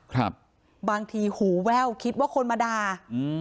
ครับบางทีหูแว่วคิดว่าคนมาด่าอืม